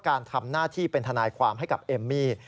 การทำหน้าที่เป็นทนายความให้กับเอมมี่